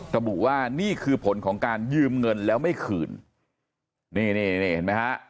ระบุว่านี่คือผลของการยืมเงินแล้วไม่คืนนี่นี่เห็นไหมฮะ